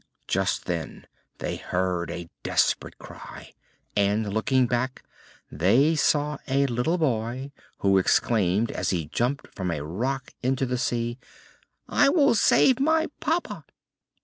Just then they heard a desperate cry and, looking back, they saw a little boy who exclaimed, as he jumped from a rock into the sea: "I will save my papa!"